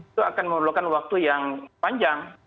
itu akan memerlukan waktu yang panjang